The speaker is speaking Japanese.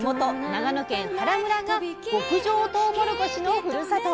長野県原村が極上とうもろこしのふるさと。